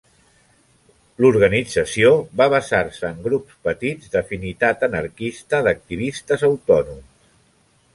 L'organització va basar-se en grups petits d'afinitat anarquista d'activistes autònoms.